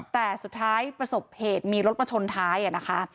แต่สุดท้ายประสบเหตุมีรถมาชนท้ายนะคะ